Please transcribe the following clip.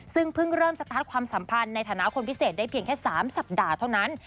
ซึ่งเพิ่งเริ่มสตาร์ทความสัมพันธ์ในฐานะคนพิเศษได้เพียงแค่๓สัปดาห์เท่านั้น